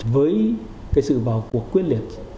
với cái sự vào cuộc quyết liệt